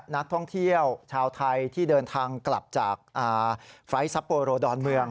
นักท่องเที่ยวชาวไทยที่เดินทางกลับจากไฟล์ซัปโปโรดอนเมือง